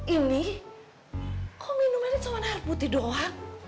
ini kok minumannya cuma air putih doang